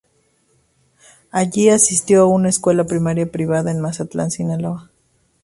Allí asistió a una escuela primaria privada en Mazatlán, Sinaloa.